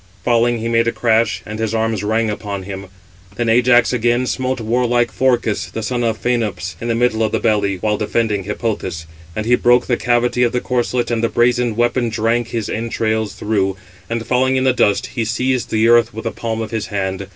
Falling, he made a crash, and his arms rang upon him. Then Ajax again smote warlike Phorcys, the son of Phænops, in the middle of the belly, while defending Hippothous. And he broke the cavity of the corslet, and the brazen weapon drank his entrails through; and falling in the dust, he seized the earth with the palm of his hand.